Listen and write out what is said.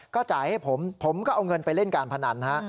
ก็จ่ายให้ผมผมก็เอาเงินไปเล่นการพนันฮะ